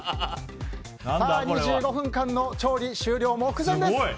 ２５分間の調理終了目前です。